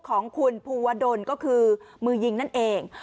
ของคุณภูวดลก็คือมือยิงนั่นเอง